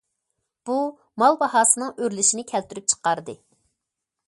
بۇ مال باھاسىنىڭ ئۆرلىشىنى كەلتۈرۈپ چىقاردى.